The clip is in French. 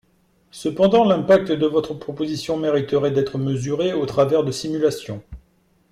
Cependant l’impact de votre proposition mériterait d’être mesuré au travers de simulations.